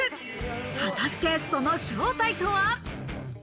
果たして、その正体とは？